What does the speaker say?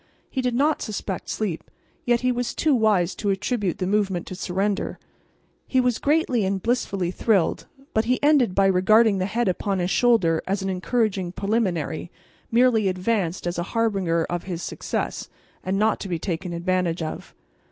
He did not suspect sleep, and yet he was too wise to attribute the movement to surrender. He was greatly and blissfully thrilled, but he ended by regarding the head upon his shoulder as an encouraging preliminary, merely advanced as a harbinger of his success, and not to be taken advantage of.